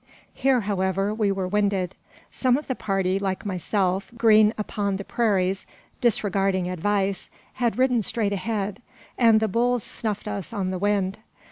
Here, however, we were winded. Some of the party, like myself, green upon the prairies, disregarding advice, had ridden straight ahead; and the bulls snuffed us on the wind.